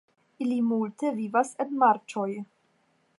Ili multe vivas en marĉoj.